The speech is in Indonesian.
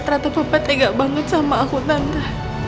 tante papa tega banget sama aku tante